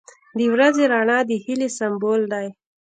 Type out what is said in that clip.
• د ورځې رڼا د هیلې سمبول دی.